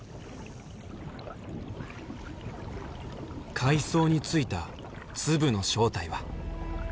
海藻についた粒の正体は。